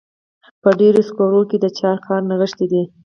په ډبرو سکرو کې د چا کار نغښتی دی